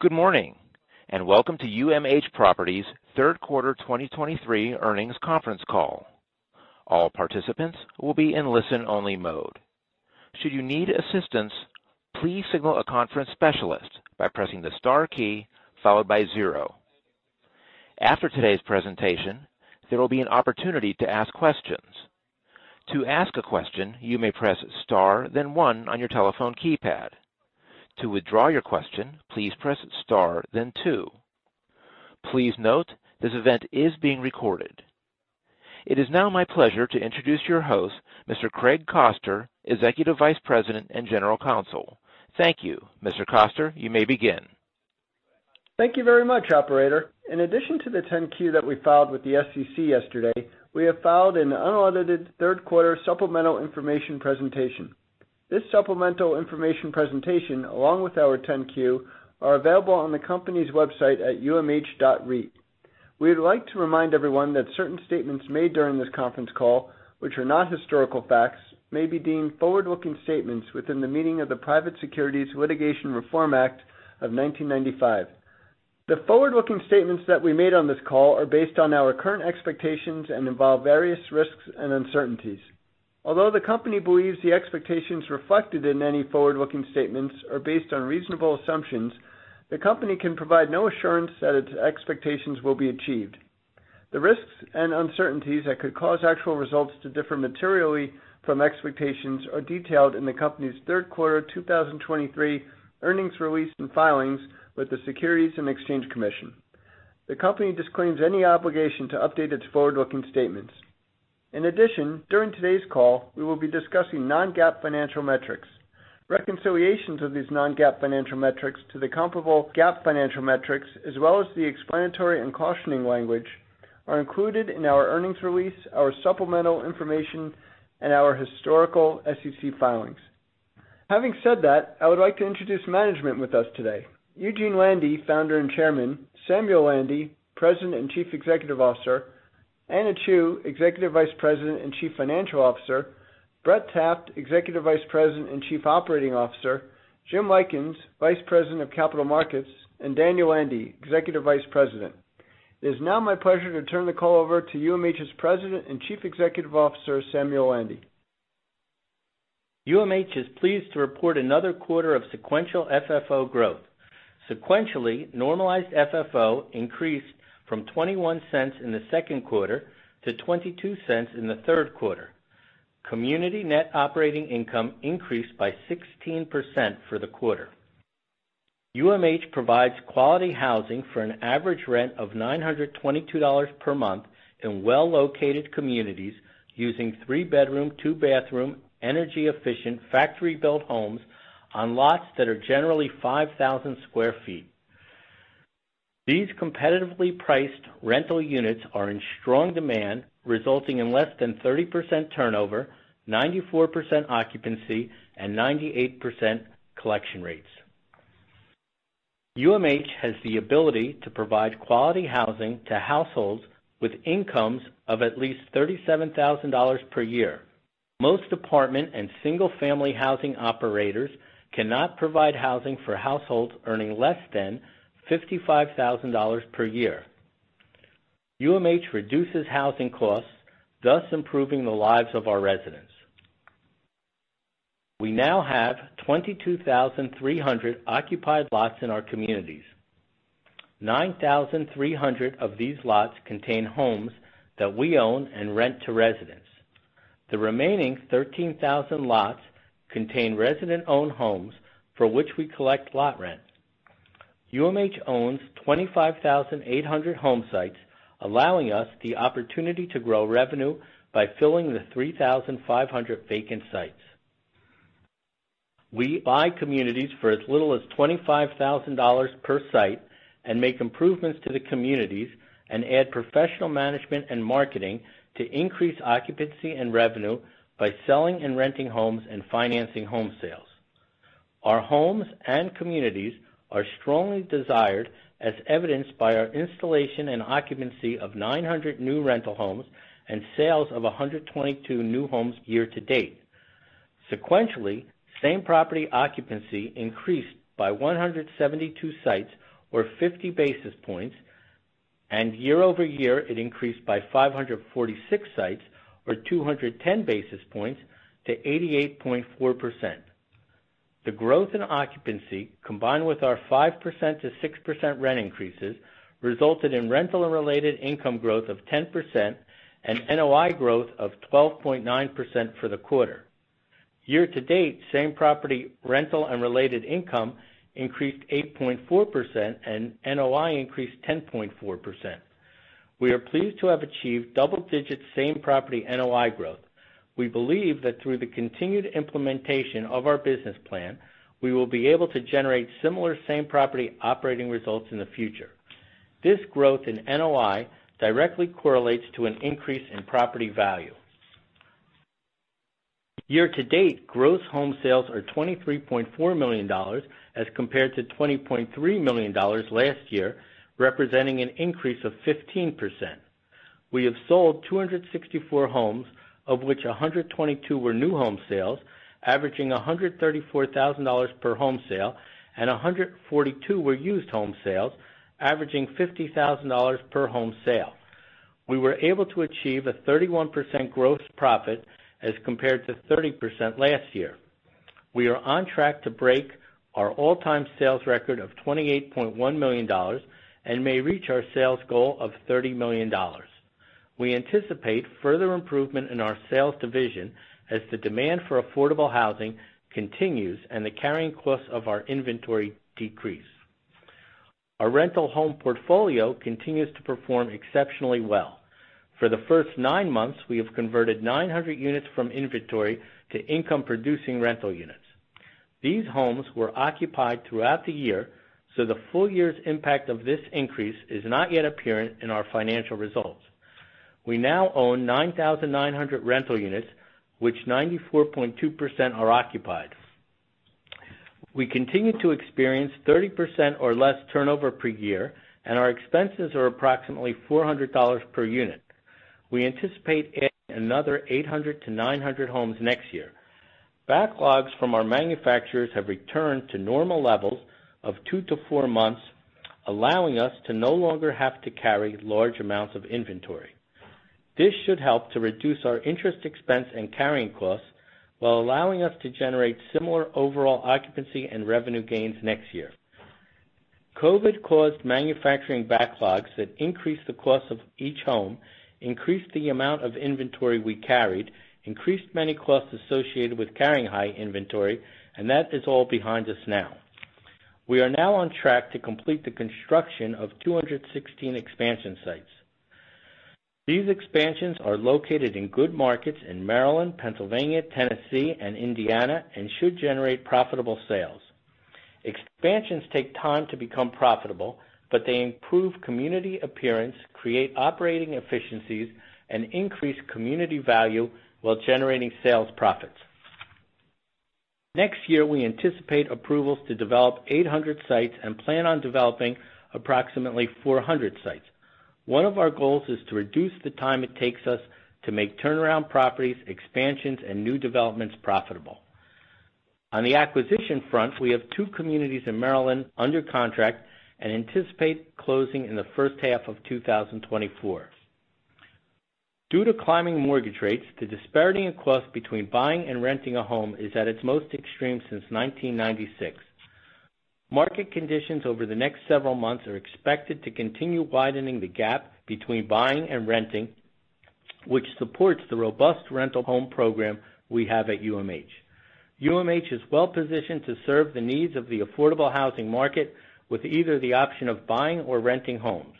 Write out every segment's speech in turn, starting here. Good morning, and welcome to UMH Properties' third quarter 2023 earnings conference call. All participants will be in listen-only mode. Should you need assistance, please signal a conference specialist by pressing the * key followed by 0. After today's presentation, there will be an opportunity to ask questions. To ask a question, you may press *, then 1 on your telephone keypad. To withdraw your question, please press *, then 2. Please note, this event is being recorded. It is now my pleasure to introduce your host, Mr. Craig Koster, Executive Vice President and General Counsel. Thank you. Mr. Koster, you may begin. Thank you very much, operator. In addition to the 10-Q that we filed with the SEC yesterday, we have filed an unaudited third quarter supplemental information presentation. This supplemental information presentation, along with our 10-Q, are available on the company's website at umh.reit. We'd like to remind everyone that certain statements made during this conference call, which are not historical facts, may be deemed forward-looking statements within the meaning of the Private Securities Litigation Reform Act of 1995. The forward-looking statements that we made on this call are based on our current expectations and involve various risks and uncertainties. Although the company believes the expectations reflected in any forward-looking statements are based on reasonable assumptions, the company can provide no assurance that its expectations will be achieved. The risks and uncertainties that could cause actual results to differ materially from expectations are detailed in the company's third quarter 2023 earnings release and filings with the Securities and Exchange Commission. The company disclaims any obligation to update its forward-looking statements. In addition, during today's call, we will be discussing non-GAAP financial metrics. Reconciliations of these non-GAAP financial metrics to the comparable GAAP financial metrics, as well as the explanatory and cautioning language, are included in our earnings release, our supplemental information, and our historical SEC filings. Having said that, I would like to introduce management with us today. Eugene Landy, Founder and Chairman, Samuel Landy, President and Chief Executive Officer, Anna Chew, Executive Vice President and Chief Financial Officer, Brett Taft, Executive Vice President and Chief Operating Officer, Jim Lykins, Vice President of Capital Markets, and Daniel Landy, Executive Vice President. It is now my pleasure to turn the call over to UMH's President and Chief Executive Officer, Samuel Landy. UMH is pleased to report another quarter of sequential FFO growth. Sequentially, normalized FFO increased from 21 cents in the second quarter to 22 cents in the third quarter. Community net operating income increased by 16% for the quarter. UMH provides quality housing for an average rent of $922 per month in well-located communities, using three-bedroom, two-bathroom, energy-efficient, factory-built homes on lots that are generally 5,000 sq ft. These competitively priced rental units are in strong demand, resulting in less than 30% turnover, 94% occupancy, and 98% collection rates. UMH has the ability to provide quality housing to households with incomes of at least $37,000 per year. Most apartment and single-family housing operators cannot provide housing for households earning less than $55,000 per year. UMH reduces housing costs, thus improving the lives of our residents. We now have 22,300 occupied lots in our communities. 9,300 of these lots contain homes that we own and rent to residents. The remaining 13,000 lots contain resident-owned homes for which we collect lot rent. UMH owns 25,800 home sites, allowing us the opportunity to grow revenue by filling the 3,500 vacant sites. We buy communities for as little as $25,000 per site and make improvements to the communities and add professional management and marketing to increase occupancy and revenue by selling and renting homes and financing home sales. Our homes and communities are strongly desired, as evidenced by our installation and occupancy of 900 new rental homes and sales of 122 new homes year to date. Sequentially, same-property occupancy increased by 172 sites, or 50 basis points, and year-over-year, it increased by 546 sites, or 210 basis points, to 88.4%. The growth in occupancy, combined with our 5%-6% rent increases, resulted in rental and related income growth of 10% and NOI growth of 12.9% for the quarter. Year to date, same-property rental and related income increased 8.4%, and NOI increased 10.4%. We are pleased to have achieved double-digit same-property NOI growth. We believe that through the continued implementation of our business plan, we will be able to generate similar same-property operating results in the future. This growth in NOI directly correlates to an increase in property value. Year to date, gross home sales are $23.4 million, as compared to $20.3 million last year, representing an increase of 15%.... We have sold 264 homes, of which 122 were new home sales, averaging $134,000 per home sale, and 142 were used home sales, averaging $50,000 per home sale. We were able to achieve a 31% gross profit as compared to 30% last year. We are on track to break our all-time sales record of $28.1 million and may reach our sales goal of $30 million. We anticipate further improvement in our sales division as the demand for affordable housing continues and the carrying costs of our inventory decrease. Our rental home portfolio continues to perform exceptionally well. For the first 9 months, we have converted 900 units from inventory to income-producing rental units. These homes were occupied throughout the year, so the full year's impact of this increase is not yet apparent in our financial results. We now own 9,900 rental units, which 94.2% are occupied. We continue to experience 30% or less turnover per year, and our expenses are approximately $400 per unit. We anticipate adding another 800-900 homes next year. Backlogs from our manufacturers have returned to normal levels of 2-4 months, allowing us to no longer have to carry large amounts of inventory. This should help to reduce our interest expense and carrying costs, while allowing us to generate similar overall occupancy and revenue gains next year. COVID caused manufacturing backlogs that increased the cost of each home, increased the amount of inventory we carried, increased many costs associated with carrying high inventory, and that is all behind us now. We are now on track to complete the construction of 216 expansion sites. These expansions are located in good markets in Maryland, Pennsylvania, Tennessee, and Indiana and should generate profitable sales. Expansions take time to become profitable, but they improve community appearance, create operating efficiencies, and increase community value while generating sales profits. Next year, we anticipate approvals to develop 800 sites and plan on developing approximately 400 sites. One of our goals is to reduce the time it takes us to make turnaround properties, expansions, and new developments profitable. On the acquisition front, we have two communities in Maryland under contract and anticipate closing in the first half of 2024. Due to climbing mortgage rates, the disparity in cost between buying and renting a home is at its most extreme since 1996. Market conditions over the next several months are expected to continue widening the gap between buying and renting, which supports the robust rental home program we have at UMH. UMH is well positioned to serve the needs of the affordable housing market with either the option of buying or renting homes.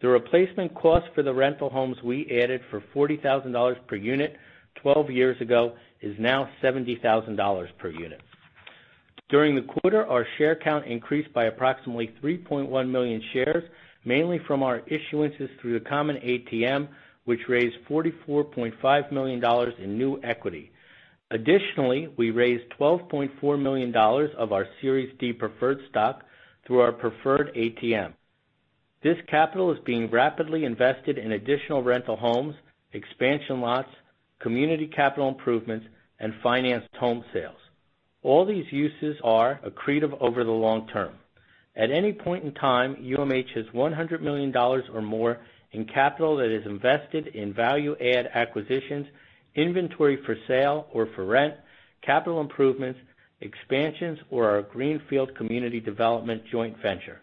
The replacement cost for the rental homes we added for $40,000 per unit 12 years ago is now $70,000 per unit. During the quarter, our share count increased by approximately 3.1 million shares, mainly from our issuances through the common ATM, which raised $44.5 million in new equity. Additionally, we raised $12.4 million of our Series D Preferred Stock through our preferred ATM. This capital is being rapidly invested in additional rental homes, expansion lots, community capital improvements, and financed home sales. All these uses are accretive over the long term. At any point in time, UMH has $100 million or more in capital that is invested in value-add acquisitions, inventory for sale or for rent, capital improvements, expansions, or our Greenfield Community Development joint venture.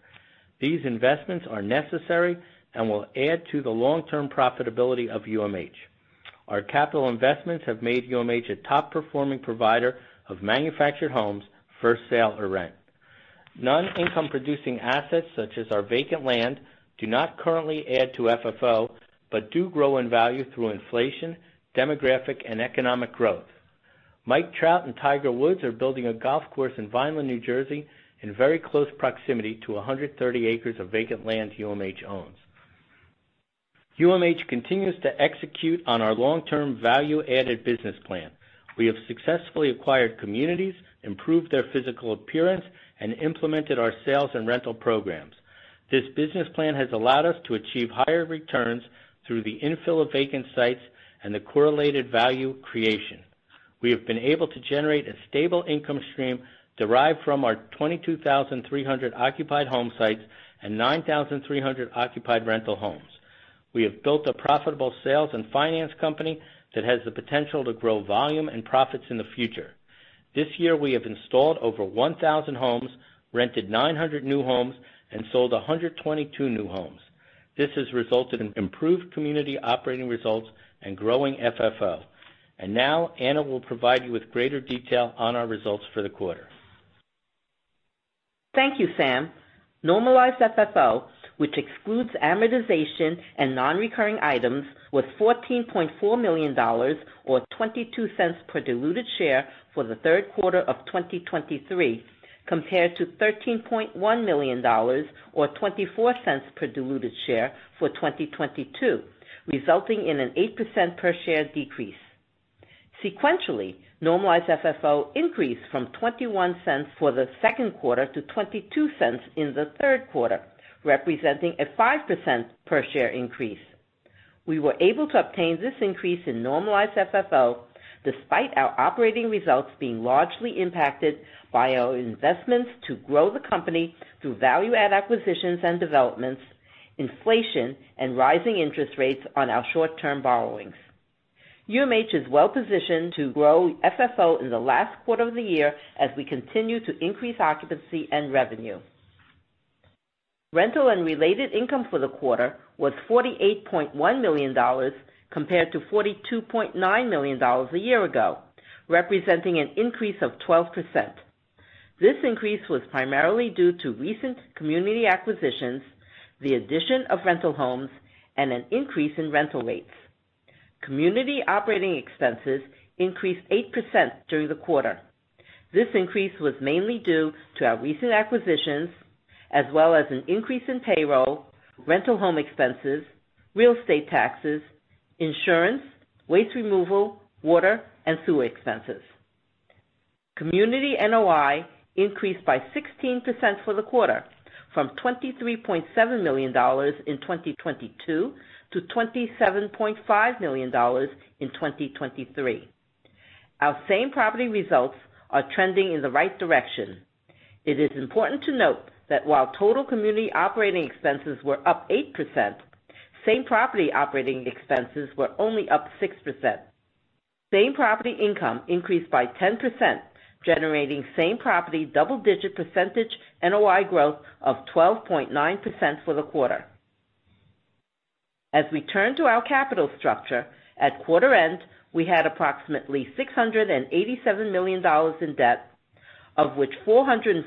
These investments are necessary and will add to the long-term profitability of UMH. Our capital investments have made UMH a top-performing provider of manufactured homes for sale or rent. Non-income producing assets, such as our vacant land, do not currently add to FFO, but do grow in value through inflation, demographic, and economic growth. Mike Trout and Tiger Woods are building a golf course in Vineland, New Jersey, in very close proximity to 130 acres of vacant land UMH owns. UMH continues to execute on our long-term value-added business plan. We have successfully acquired communities, improved their physical appearance, and implemented our sales and rental programs. This business plan has allowed us to achieve higher returns through the infill of vacant sites and the correlated value creation. We have been able to generate a stable income stream derived from our 22,300 occupied home sites and 9,300 occupied rental homes. We have built a profitable sales and finance company that has the potential to grow volume and profits in the future. This year, we have installed over 1,000 homes, rented 900 new homes, and sold 122 new homes. This has resulted in improved community operating results and growing FFO. And now Anna will provide you with greater detail on our results for the quarter. Thank you, Sam. Normalized FFO, which excludes amortization and non-recurring items, was $14.4 million or $0.22 per diluted share for the third quarter of 2023, compared to $13.1 million or $0.24 per diluted share for 2022, resulting in an 8% per share decrease. Sequentially, normalized FFO increased from $0.21 for the second quarter to $0.22 in the third quarter, representing a 5% per share increase. We were able to obtain this increase in normalized FFO despite our operating results being largely impacted by our investments to grow the company through value-add acquisitions and developments, inflation, and rising interest rates on our short-term borrowings. UMH is well positioned to grow FFO in the last quarter of the year as we continue to increase occupancy and revenue. Rental and related income for the quarter was $48.1 million, compared to $42.9 million a year ago, representing an increase of 12%. This increase was primarily due to recent community acquisitions, the addition of rental homes, and an increase in rental rates. Community operating expenses increased 8% during the quarter. This increase was mainly due to our recent acquisitions, as well as an increase in payroll, rental home expenses, real estate taxes, insurance, waste removal, water and sewer expenses. Community NOI increased by 16% for the quarter, from $23.7 million in 2022 to $27.5 million in 2023. Our same property results are trending in the right direction. It is important to note that while total community operating expenses were up 8%, same property operating expenses were only up 6%. Same-property income increased by 10%, generating same-property double-digit percentage NOI growth of 12.9% for the quarter. As we turn to our capital structure, at quarter-end, we had approximately $687 million in debt, of which $442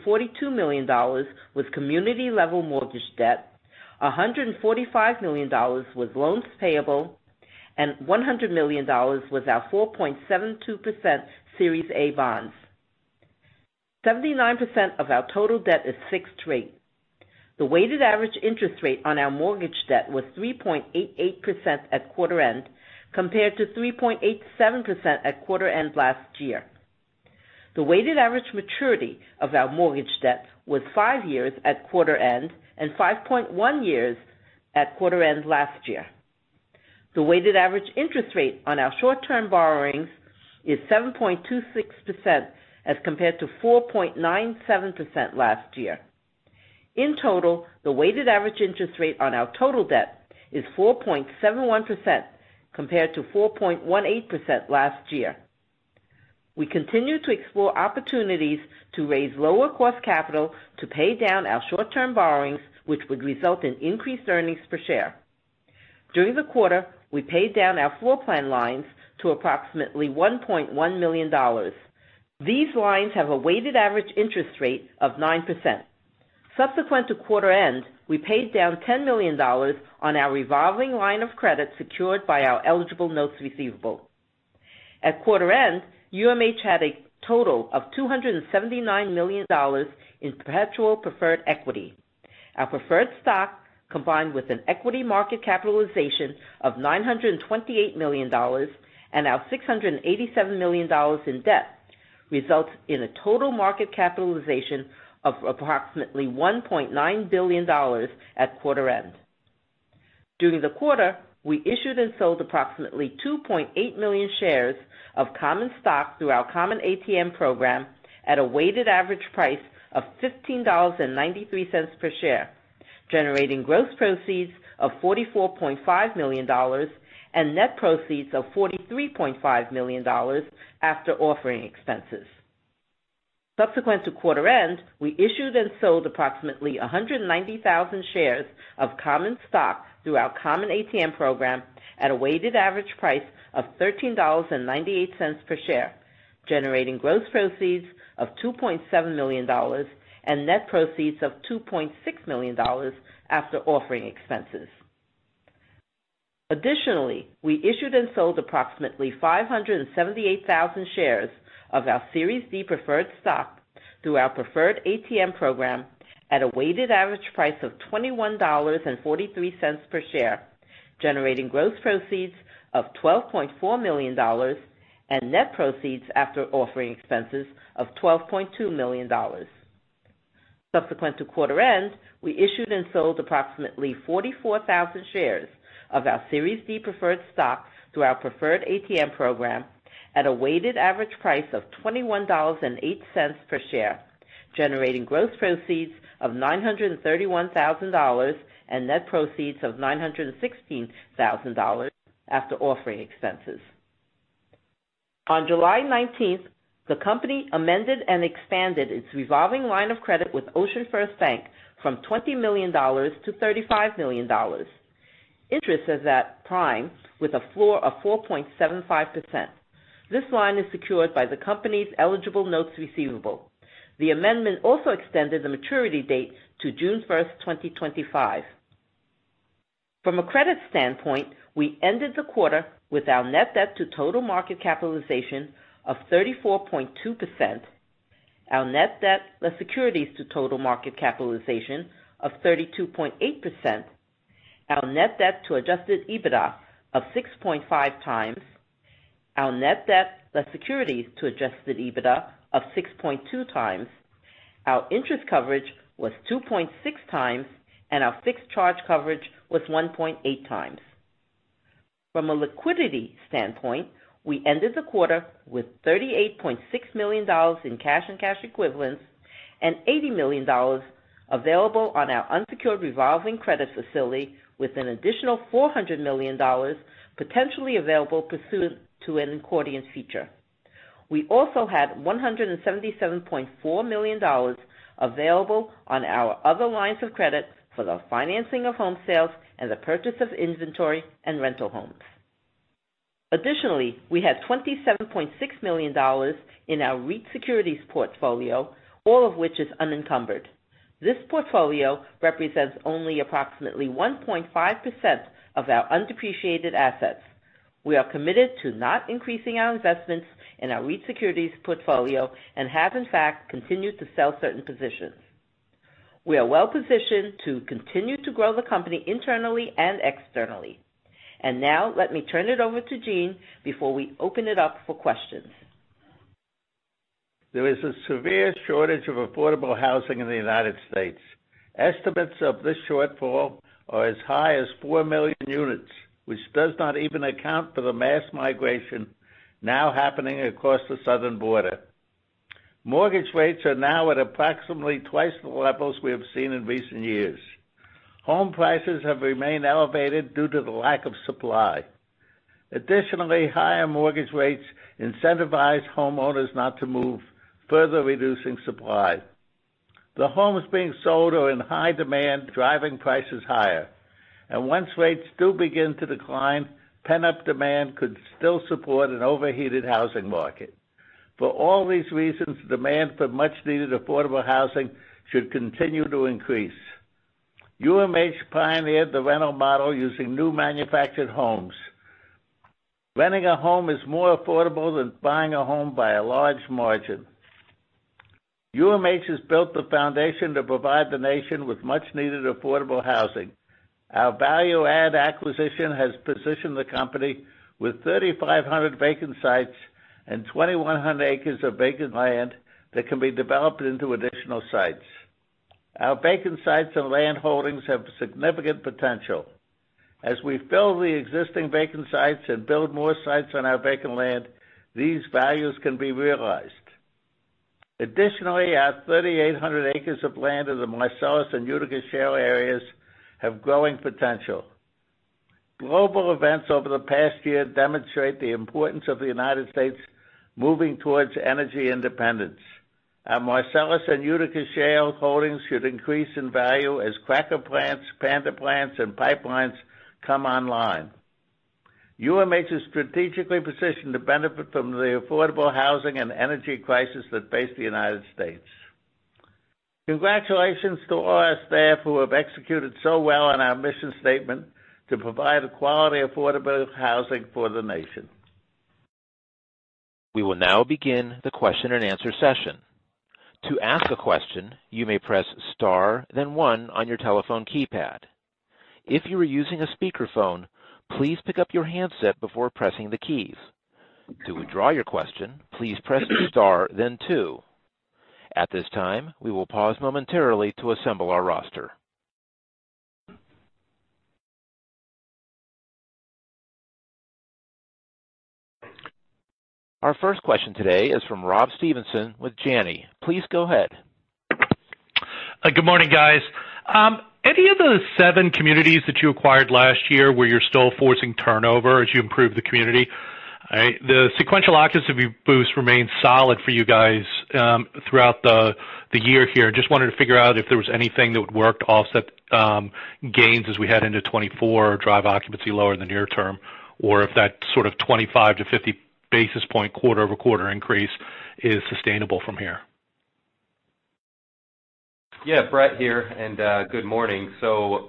million was community-level mortgage debt, $145 million was loans payable, and $100 million was our 4.72% Series A bonds. 79% of our total debt is fixed rate. The weighted average interest rate on our mortgage debt was 3.88% at quarter-end, compared to 3.87% at quarter-end last year. The weighted average maturity of our mortgage debt was 5 years at quarter-end and 5.1 years at quarter-end last year. The weighted average interest rate on our short-term borrowings is 7.26%, as compared to 4.97% last year. In total, the weighted average interest rate on our total debt is 4.71%, compared to 4.18% last year. We continue to explore opportunities to raise lower cost capital to pay down our short-term borrowings, which would result in increased earnings per share. During the quarter, we paid down our floor plan lines to approximately $1.1 million. These lines have a weighted average interest rate of 9%. Subsequent to quarter end, we paid down $10 million on our revolving line of credit, secured by our eligible notes receivable. At quarter end, UMH had a total of $279 million in perpetual preferred equity. Our preferred stock, combined with an equity market capitalization of $928 million and our $687 million in debt, results in a total market capitalization of approximately $1.9 billion at quarter end. During the quarter, we issued and sold approximately 2.8 million shares of common stock through our common ATM program at a weighted average price of $15.93 per share, generating gross proceeds of $44.5 million and net proceeds of $43.5 million after offering expenses. Subsequent to quarter end, we issued and sold approximately 190,000 shares of common stock through our common ATM program at a weighted average price of $13.98 per share, generating gross proceeds of $2.7 million and net proceeds of $2.6 million after offering expenses. Additionally, we issued and sold approximately 578,000 shares of our Series D Preferred Stock through our preferred ATM program at a weighted average price of $21.43 per share, generating gross proceeds of $12.4 million and net proceeds after offering expenses of $12.2 million. Subsequent to quarter end, we issued and sold approximately 44,000 shares of our Series D Preferred Stock through our preferred ATM program at a weighted average price of $21.08 per share, generating gross proceeds of $931,000 and net proceeds of $916,000 after offering expenses. On July 19, the company amended and expanded its revolving line of credit with OceanFirst Bank from $20 million to $35 million. Interest is at prime with a floor of 4.75%. This line is secured by the company's eligible notes receivable. The amendment also extended the maturity date to June 1, 2025. From a credit standpoint, we ended the quarter with our net debt to total market capitalization of 34.2%, our net debt, plus securities to total market capitalization of 32.8%.... Our net debt to adjusted EBITDA of 6.5 times, our net debt, less securities to adjusted EBITDA of 6.2 times. Our interest coverage was 2.6 times, and our fixed charge coverage was 1.8 times. From a liquidity standpoint, we ended the quarter with $38.6 million in cash and cash equivalents, and $80 million available on our unsecured revolving credit facility, with an additional $400 million potentially available pursuant to an accordion feature. We also had $177.4 million available on our other lines of credit for the financing of home sales and the purchase of inventory and rental homes. Additionally, we had $27.6 million in our REIT securities portfolio, all of which is unencumbered. This portfolio represents only approximately 1.5% of our undepreciated assets. We are committed to not increasing our investments in our REIT securities portfolio and have, in fact, continued to sell certain positions. We are well-positioned to continue to grow the company internally and externally. Now let me turn it over to Eugene before we open it up for questions. There is a severe shortage of affordable housing in the United States. Estimates of this shortfall are as high as 4 million units, which does not even account for the mass migration now happening across the southern border. Mortgage rates are now at approximately twice the levels we have seen in recent years. Home prices have remained elevated due to the lack of supply. Additionally, higher mortgage rates incentivize homeowners not to move, further reducing supply. The homes being sold are in high demand, driving prices higher, and once rates do begin to decline, pent-up demand could still support an overheated housing market. For all these reasons, demand for much-needed affordable housing should continue to increase. UMH pioneered the rental model using new manufactured homes. Renting a home is more affordable than buying a home by a large margin. UMH has built the foundation to provide the nation with much-needed affordable housing. Our value-add acquisition has positioned the company with 3,500 vacant sites and 2,100 acres of vacant land that can be developed into additional sites. Our vacant sites and land holdings have significant potential. As we fill the existing vacant sites and build more sites on our vacant land, these values can be realized. Additionally, our 3,800 acres of land in the Marcellus and Utica Shale areas have growing potential. Global events over the past year demonstrate the importance of the United States moving towards energy independence. Our Marcellus and Utica Shale holdings should increase in value as cracker plants, Panda plants, and pipelines come online. UMH is strategically positioned to benefit from the affordable housing and energy crisis that face the United States. Congratulations to all our staff who have executed so well on our mission statement to provide a quality, affordable housing for the nation. We will now begin the question and answer session. To ask a question, you may press *, then one on your telephone keypad. If you are using a speakerphone, please pick up your handset before pressing the keys. To withdraw your question, please press * then 2. At this time, we will pause momentarily to assemble our roster. Our first question today is from Rob Stevenson with Janney. Please go ahead. Good morning, guys. Any of the seven communities that you acquired last year, where you're still forcing turnover as you improve the community? The sequential occupancy boost remains solid for you guys throughout the year here. Just wanted to figure out if there was anything that would work to offset gains as we head into 2024 or drive occupancy lower in the near term, or if that sort of 25-50 basis point quarter-over-quarter increase is sustainable from here. Yeah, Brett here, and good morning. So,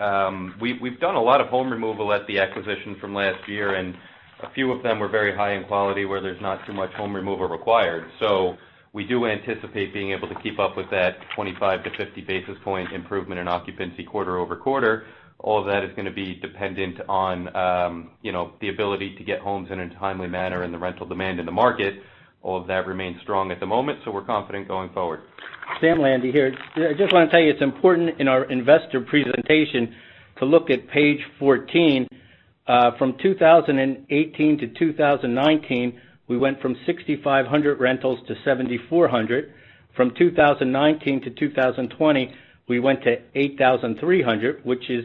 we've done a lot of home removal at the acquisition from last year, and a few of them were very high in quality, where there's not too much home removal required. So we do anticipate being able to keep up with that 25-50 basis point improvement in occupancy quarter-over-quarter. All of that is going to be dependent on, you know, the ability to get homes in a timely manner and the rental demand in the market. All of that remains strong at the moment, so we're confident going forward. Sam Landy here. I just want to tell you, it's important in our investor presentation to look at page 14. From 2018 to 2019, we went from 6,500 rentals to 7,400. From 2019 to 2020, we went to 8,300, which is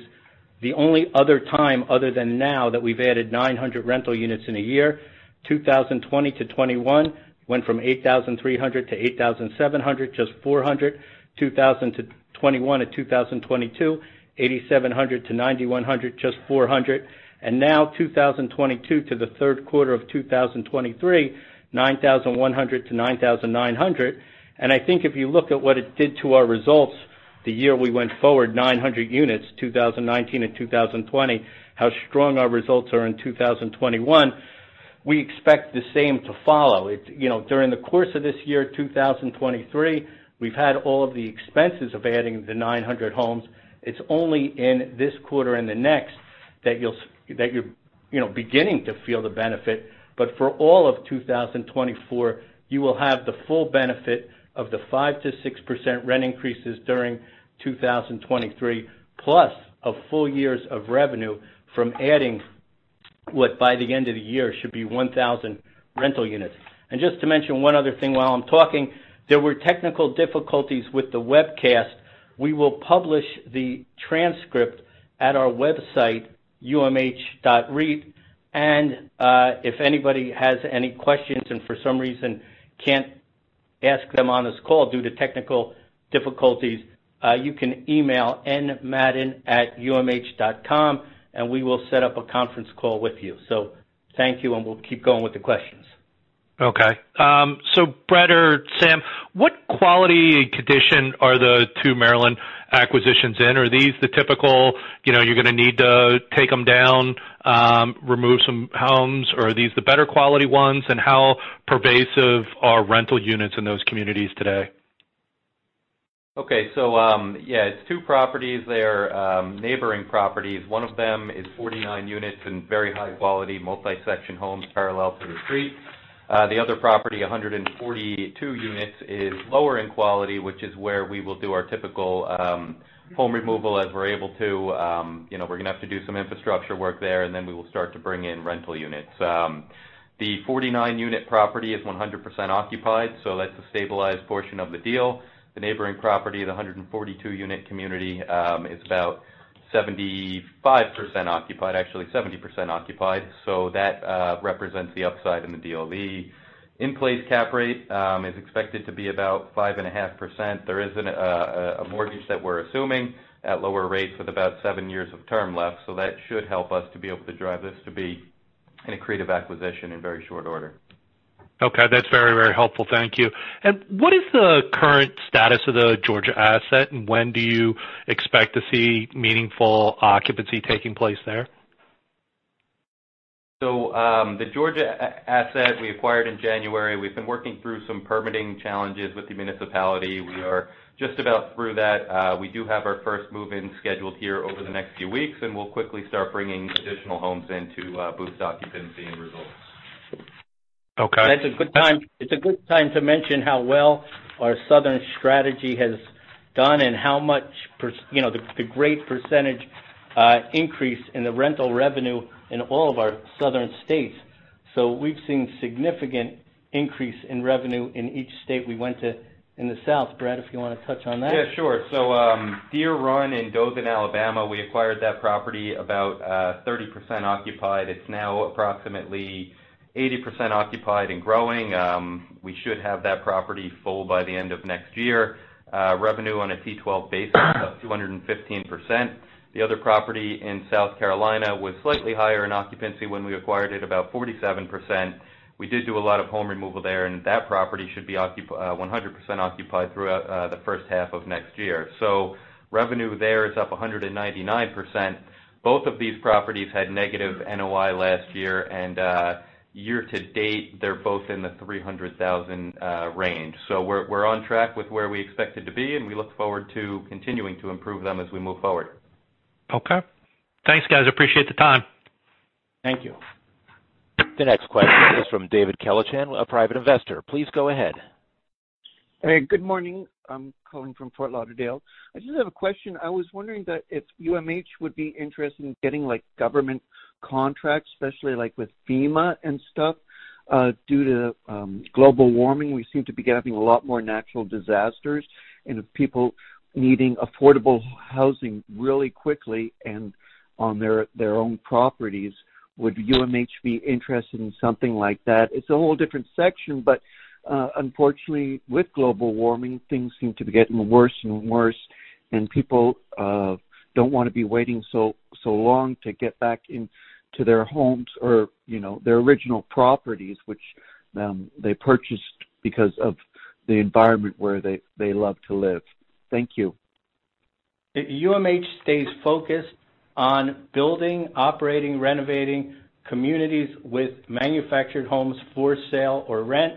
the only other time, other than now, that we've added 900 rental units in a year. 2020 to 2021, went from 8,300 to 8,700, just 400. 2021 to 2022, 8,700 to 9,100, just 400. And now, 2022 to the third quarter of 2023, 9,100 to 9,900. I think if you look at what it did to our results, the year we went forward, 900 units, 2019 to 2020, how strong our results are in 2021. ... We expect the same to follow. It, you know, during the course of this year, 2023, we've had all of the expenses of adding the 900 homes. It's only in this quarter and the next that you'll, that you're, you know, beginning to feel the benefit. But for all of 2024, you will have the full benefit of the 5%-6% rent increases during 2023, plus a full years of revenue from adding what, by the end of the year, should be 1,000 rental units. And just to mention one other thing while I'm talking, there were technical difficulties with the webcast. We will publish the transcript at our website, umh.reit. If anybody has any questions and for some reason can't ask them on this call due to technical difficulties, you can email nmadden@umh.com, and we will set up a conference call with you. Thank you, and we'll keep going with the questions. Okay. So Brett or Sam, what quality and condition are the two Maryland acquisitions in? Are these the typical, you know, you're gonna need to take them down, remove some homes, or are these the better quality ones? And how pervasive are rental units in those communities today? Okay. So, yeah, it's two properties. They are neighboring properties. One of them is 49 units and very high quality, multi-section homes parallel to the street. The other property, 142 units, is lower in quality, which is where we will do our typical home removal as we're able to. You know, we're gonna have to do some infrastructure work there, and then we will start to bring in rental units. The 49-unit property is 100% occupied, so that's a stabilized portion of the deal. The neighboring property, the 142-unit community, is about 75% occupied, actually 70% occupied, so that represents the upside in the deal. The in-place cap rate is expected to be about 5.5%. There is a mortgage that we're assuming at lower rates with about seven years of term left. So that should help us to be able to drive this to be an accretive acquisition in very short order. Okay. That's very, very helpful. Thank you. What is the current status of the Georgia asset, and when do you expect to see meaningful occupancy taking place there? So, the Georgia asset we acquired in January, we've been working through some permitting challenges with the municipality. We are just about through that. We do have our first move-in scheduled here over the next few weeks, and we'll quickly start bringing additional homes in to boost occupancy and results. Okay. It's a good time to mention how well our southern strategy has gone and how much you know, the great percentage increase in the rental revenue in all of our southern states. So we've seen significant increase in revenue in each state we went to in the South. Brett, if you wanna touch on that? Yeah, sure. So, Deer Run in Dothan, Alabama, we acquired that property about 30% occupied. It's now approximately 80% occupied and growing. We should have that property full by the end of next year. Revenue on a T12 basis, up 215%. The other property in South Carolina was slightly higher in occupancy when we acquired it, about 47%. We did do a lot of home removal there, and that property should be occupied 100% throughout the first half of next year. So revenue there is up 199%. Both of these properties had negative NOI last year, and year to date, they're both in the $300,000 range. So we're on track with where we expected to be, and we look forward to continuing to improve them as we move forward. Okay. Thanks, guys. Appreciate the time. Thank you. The next question is from David Kelleher, a private investor. Please go ahead. Hey, good morning. I'm calling from Fort Lauderdale. I just have a question. I was wondering that if UMH would be interested in getting, like, government contracts, especially like with FEMA and stuff, due to global warming. We seem to be getting a lot more natural disasters and people needing affordable housing really quickly and on their, their own properties. Would UMH be interested in something like that? It's a whole different section, but, unfortunately, with global warming, things seem to be getting worse and worse, and people don't wanna be waiting so, so long to get back into their homes or, you know, their original properties, which they purchased because of the environment where they, they love to live. Thank you. UMH stays focused on building, operating, renovating communities with manufactured homes for sale or rent.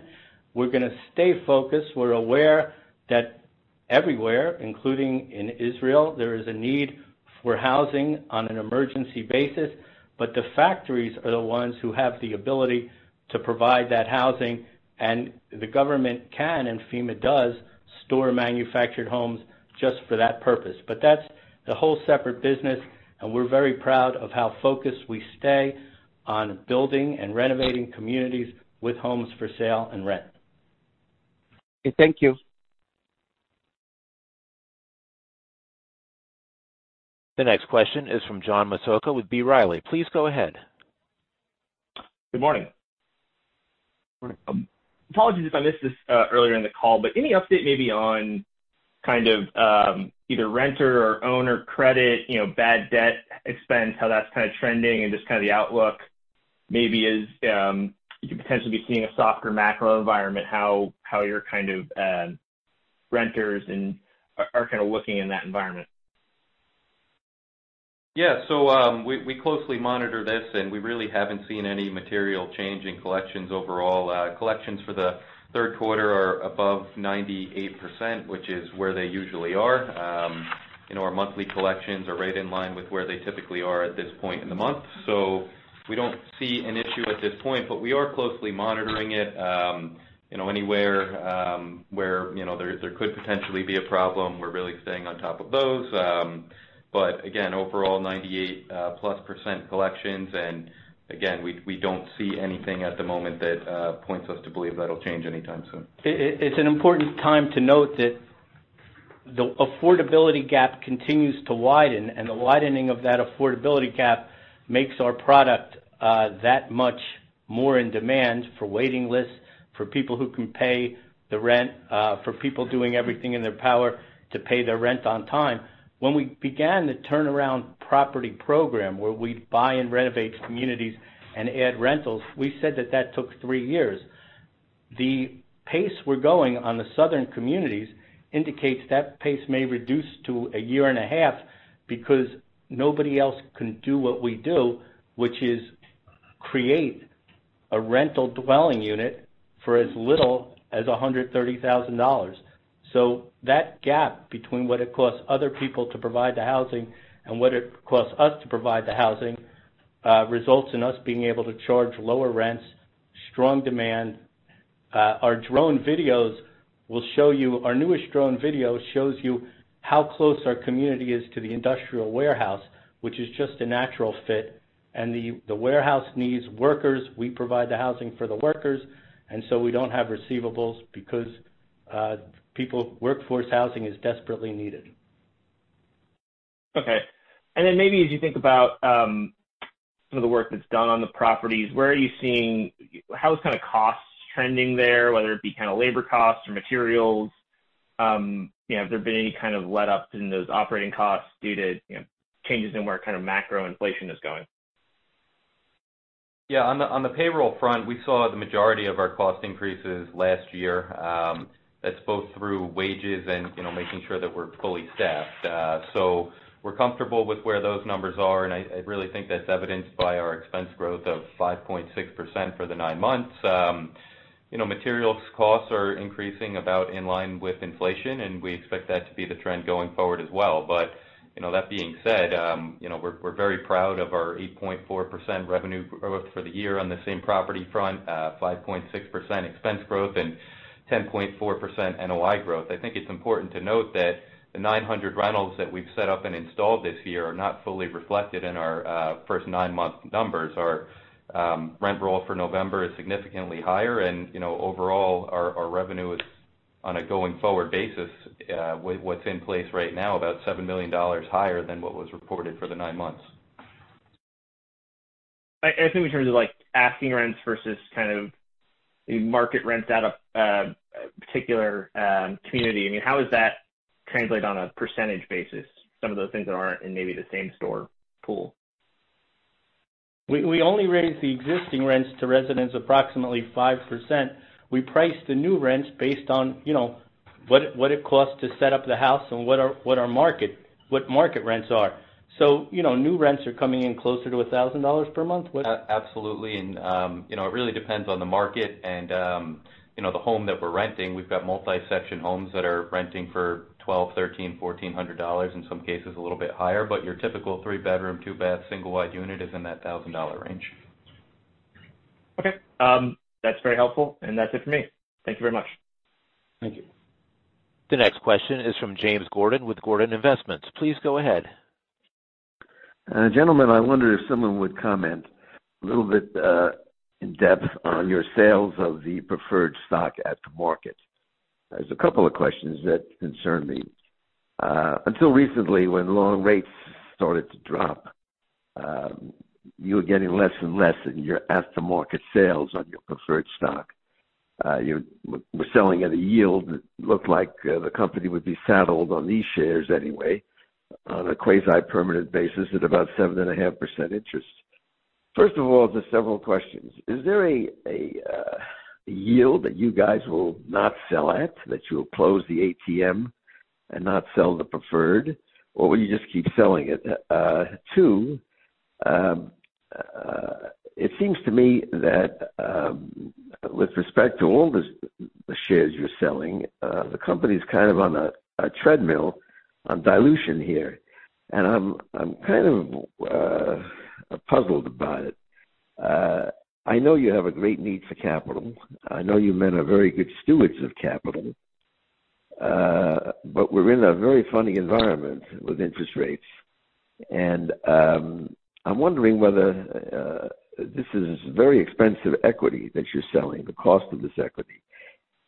We're gonna stay focused. We're aware that everywhere, including in Israel, there is a need for housing on an emergency basis, but the factories are the ones who have the ability to provide that housing, and the government can, and FEMA does, store manufactured homes just for that purpose. But that's a whole separate business, and we're very proud of how focused we stay on building and renovating communities with homes for sale and rent. Thank you. The next question is from John Massocca with B. Riley. Please go ahead. Good morning. Morning. Apologies if I missed this earlier in the call, but any update maybe on kind of either renter or owner credit, you know, bad debt expense, how that's kind of trending and just kind of the outlook, maybe as you could potentially be seeing a softer macro environment, how your kind of renters and are kind of looking in that environment? ... Yeah. So, we closely monitor this, and we really haven't seen any material change in collections overall. Collections for the third quarter are above 98%, which is where they usually are. And our monthly collections are right in line with where they typically are at this point in the month. So we don't see an issue at this point, but we are closely monitoring it. You know, anywhere where you know, there could potentially be a problem, we're really staying on top of those. But again, overall, 98%+ collections. And again, we don't see anything at the moment that points us to believe that'll change anytime soon. It's an important time to note that the affordability gap continues to widen, and the widening of that affordability gap makes our product that much more in demand for waiting lists, for people who can pay the rent, for people doing everything in their power to pay their rent on time. When we began the turnaround property program, where we'd buy and renovate communities and add rentals, we said that that took three years. The pace we're going on the southern communities indicates that pace may reduce to a year and a half because nobody else can do what we do, which is create a rental dwelling unit for as little as $130,000. So that gap between what it costs other people to provide the housing and what it costs us to provide the housing results in us being able to charge lower rents, strong demand. Our drone videos will show you. Our newest drone video shows you how close our community is to the industrial warehouse, which is just a natural fit, and the warehouse needs workers. We provide the housing for the workers, and so we don't have receivables because workforce housing is desperately needed. Okay. And then maybe as you think about some of the work that's done on the properties, where are you seeing... How is kind of costs trending there, whether it be kind of labor costs or materials? You know, have there been any kind of letups in those operating costs due to, you know, changes in where kind of macro inflation is going? Yeah. On the payroll front, we saw the majority of our cost increases last year. That's both through wages and, you know, making sure that we're fully staffed. So we're comfortable with where those numbers are, and I really think that's evidenced by our expense growth of 5.6% for the nine months. You know, materials costs are increasing about in line with inflation, and we expect that to be the trend going forward as well. But, you know, that being said, you know, we're very proud of our 8.4% revenue growth for the year on the same property front, 5.6% expense growth and 10.4% NOI growth. I think it's important to note that the 900 rentals that we've set up and installed this year are not fully reflected in our first nine-month numbers. Our rent roll for November is significantly higher and, you know, overall, our revenue is, on a going-forward basis, with what's in place right now, about $7 million higher than what was reported for the nine months. I think in terms of, like, asking rents versus kind of the market rents at a particular community, I mean, how does that translate on a percentage basis? Some of those things that aren't in maybe the same store pool. We only raise the existing rents to residents approximately 5%. We price the new rents based on, you know, what it costs to set up the house and what our market-- what market rents are. So, you know, new rents are coming in closer to $1,000 per month. Absolutely, and, you know, it really depends on the market and, you know, the home that we're renting. We've got multi-section homes that are renting for $1,200, $1,300, $1,400, in some cases a little bit higher, but your typical three-bedroom, two-bath, single-wide unit is in that $1,000 range. Okay. That's very helpful, and that's it for me. Thank you very much. Thank you. The next question is from James Gordon with Gordon Investments. Please go ahead. Gentlemen, I wonder if someone would comment a little bit in depth on your sales of the preferred stock at the market. There's a couple of questions that concern me. Until recently, when loan rates started to drop, you were getting less and less in your aftermarket sales on your preferred stock. You were selling at a yield that looked like the company would be saddled on these shares anyway, on a quasi-permanent basis, at about 7.5% interest. First of all, just several questions: Is there a yield that you guys will not sell at, that you'll close the ATM and not sell the preferred, or will you just keep selling it? 2, it seems to me that, with respect to all the, the shares you're selling, the company's kind of on a, a treadmill on dilution here, and I'm, I'm kind of, puzzled about it. I know you have a great need for capital. I know you men are very good stewards of capital, but we're in a very funny environment with interest rates, and, I'm wondering whether, this is very expensive equity that you're selling, the cost of this equity.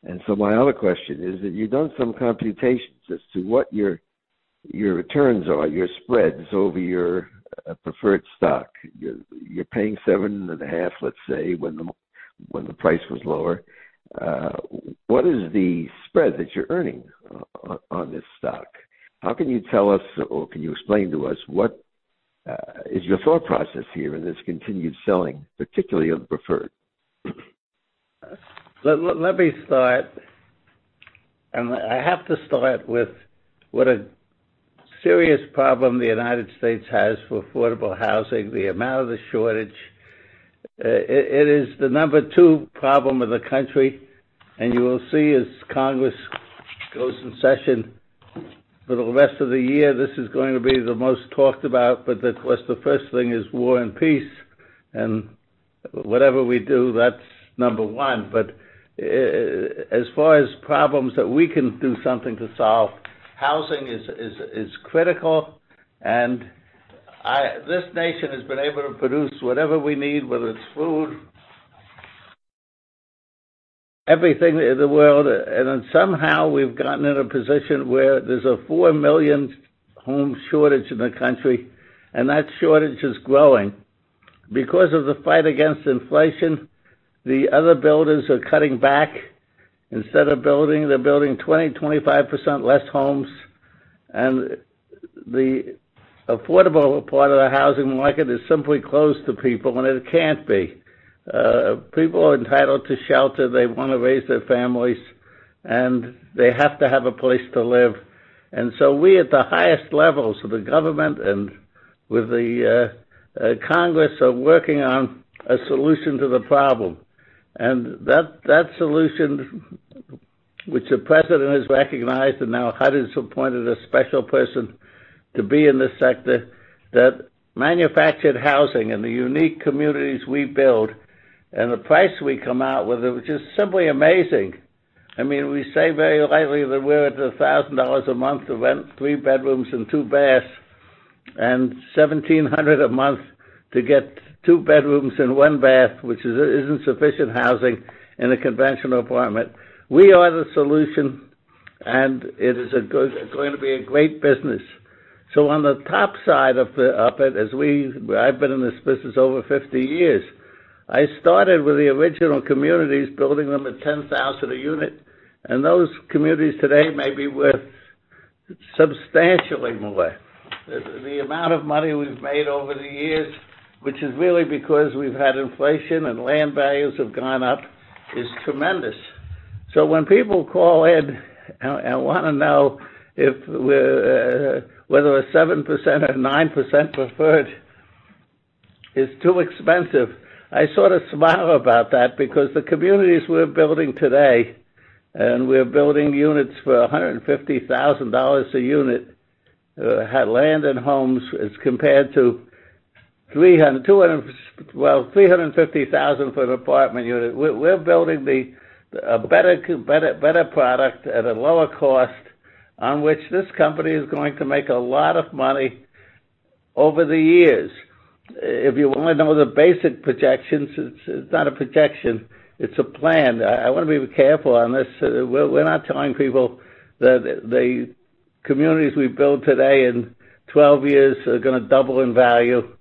And so my other question is, have you done some computations as to what your, your returns are, your spreads over your, preferred stock? You're, you're paying 7.5, let's say, when the, when the price was lower. What is the spread that you're earning on this stock? How can you tell us, or can you explain to us what is your thought process here in this continued selling, particularly of preferred? Let me start.... And I have to start with what a serious problem the United States has for affordable housing, the amount of the shortage. It is the number 2 problem in the country, and you will see as Congress goes in session for the rest of the year, this is going to be the most talked about, but of course, the first thing is war and peace, and whatever we do, that's number 1. But as far as problems that we can do something to solve, housing is critical. And this nation has been able to produce whatever we need, whether it's food, everything in the world, and then somehow we've gotten in a position where there's a 4 million home shortage in the country, and that shortage is growing. Because of the fight against inflation, the other builders are cutting back. Instead of building, they're building 20-25% less homes, and the affordable part of the housing market is simply closed to people, and it can't be. People are entitled to shelter. They wanna raise their families, and they have to have a place to live. And so we, at the highest levels of the government and with the Congress, are working on a solution to the problem. And that solution, which the President has recognized and now HUD has appointed a special person to be in this sector, that manufactured housing and the unique communities we build and the price we come out with, it was just simply amazing. I mean, we say very lightly that we're at $1,000 a month to rent three bedrooms and two baths, and $1,700 a month to get two bedrooms and one bath, which is, isn't sufficient housing in a conventional apartment. We are the solution, and it is a good going to be a great business. So on the top side of it, I've been in this business over 50 years. I started with the original communities, building them at $10,000 a unit, and those communities today may be worth substantially more. The amount of money we've made over the years, which is really because we've had inflation and land values have gone up, is tremendous. So when people call in and wanna know if we're whether a 7% or 9% preferred is too expensive, I sort of smile about that because the communities we're building today, and we're building units for $150,000 a unit, had land and homes as compared to $300,000, $200,000, well, $350,000 for an apartment unit. We're building a better product at a lower cost, on which this company is going to make a lot of money over the years. If you wanna know the basic projections, it's not a projection, it's a plan. I wanna be careful on this. We're not telling people that the communities we build today in 12 years are gonna double in value,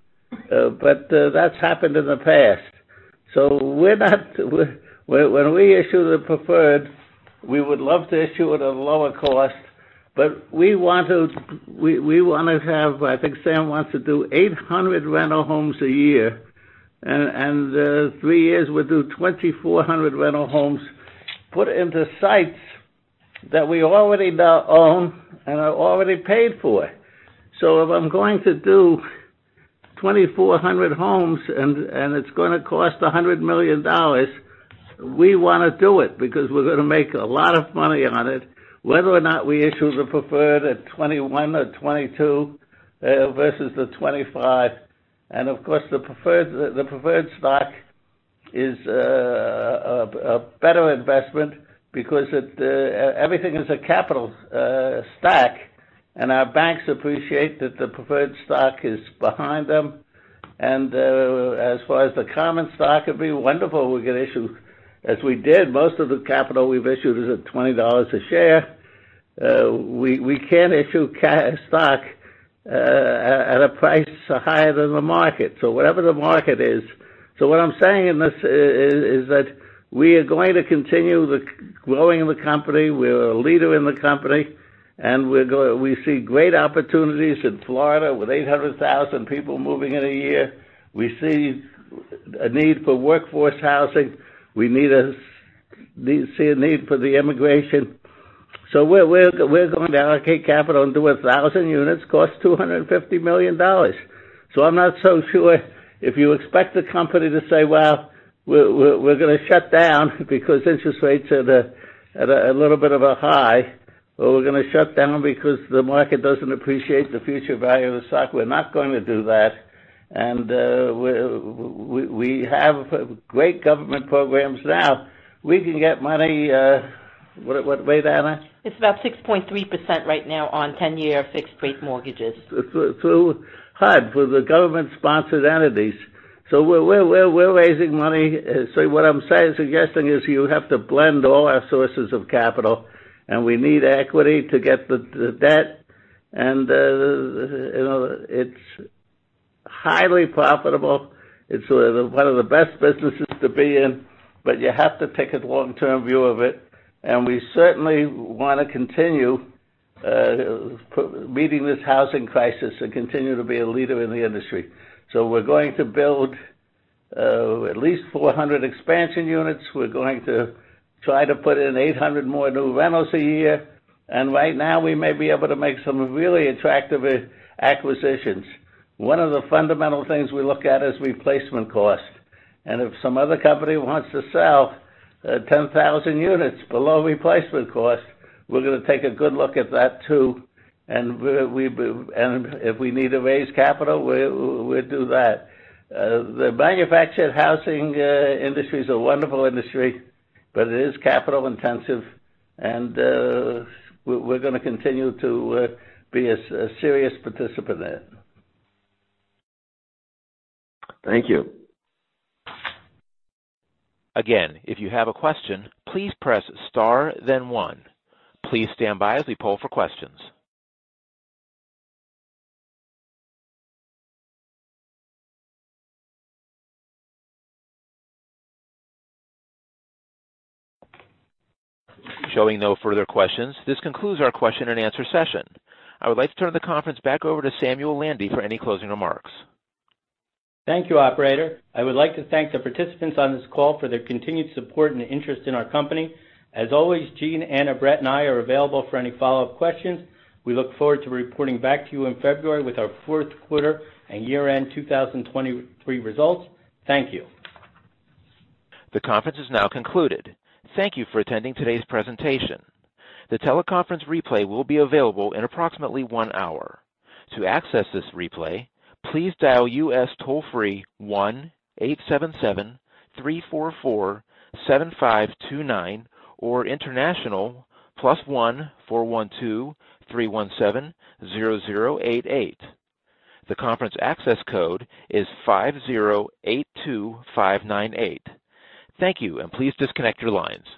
but that's happened in the past. So we're not, when we issue the preferred, we would love to issue at a lower cost, but we want to, we wanna have. I think Sam wants to do 800 rental homes a year, and in 3 years, we'll do 2,400 rental homes put into sites that we already now own and are already paid for. So if I'm going to do 2,400 homes and it's gonna cost $100 million, we wanna do it because we're gonna make a lot of money on it, whether or not we issue the preferred at 21 or 22 versus the 25. And of course, the preferred stock is a better investment because it everything is a capital stack, and our banks appreciate that the preferred stock is behind them. And as far as the common stock, it'd be wonderful if we could issue, as we did, most of the capital we've issued is at $20 a share. We can't issue stock at a price higher than the market. So whatever the market is. So what I'm saying in this is that we are going to continue growing the company, we're a leader in the company, and we see great opportunities in Florida with 800,000 people moving in a year. We see a need for workforce housing. We see a need for the immigration. So we're going to allocate capital and do 1,000 units, costs $250 million. So I'm not so sure if you expect the company to say, "Well, we're gonna shut down because interest rates are at a little bit of a high, or we're gonna shut down because the market doesn't appreciate the future value of the stock." We're not going to do that. And, we're we have great government programs now. We can get money, what rate, Anna? It's about 6.3% right now on 10-year fixed-rate mortgages. Through HUD, through the government-sponsored entities. So we're raising money. So what I'm saying, suggesting is you have to blend all our sources of capital, and we need equity to get the debt. And, you know, it's highly profitable. It's one of the best businesses to be in, but you have to take a long-term view of it, and we certainly wanna continue meeting this housing crisis and continue to be a leader in the industry. So we're going to build at least 400 expansion units. We're going to try to put in 800 more new rentals a year, and right now we may be able to make some really attractive acquisitions. One of the fundamental things we look at is replacement cost, and if some other company wants to sell 10,000 units below replacement cost, we're going to take a good look at that, too. And we and if we need to raise capital, we, we'll do that. The manufactured housing industry is a wonderful industry, but it is capital intensive, and we're gonna continue to be a serious participant in it. Thank you. Again, if you have a question, please press * then 1. Please stand by as we poll for questions. Showing no further questions, this concludes our question and answer session. I would like to turn the conference back over to Samuel Landy for any closing remarks. Thank you, operator. I would like to thank the participants on this call for their continued support and interest in our company. As always, Eugene, Anna, Brett, and I are available for any follow-up questions. We look forward to reporting back to you in February with our fourth quarter and year-end 2023 results. Thank you. The conference is now concluded. Thank you for attending today's presentation. The teleconference replay will be available in approximately one hour. To access this replay, please dial U.S. toll-free 1-877-344-7529 or international, plus 1-412-317-0088. The conference access code is 508-2598. Thank you, and please disconnect your lines.